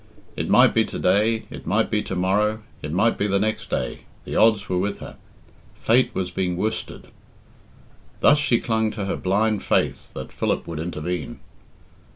It might be to day, it might be to morrow, it might be the next day. The odds were with her. Fate was being worsted. Thus she clung to her blind faith that Philip would intervene.